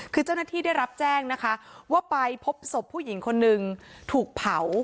คือเจ้าหน้าที่ได้รับแจ้งนะคะว่าไปพบศพผู้หญิงคนนึงถูกเผา